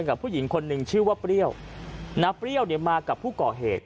กับผู้หญิงคนหนึ่งชื่อว่าเปรี้ยวน้าเปรี้ยวเนี่ยมากับผู้ก่อเหตุ